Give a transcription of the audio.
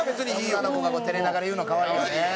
女の子が照れながら言うの可愛いよね。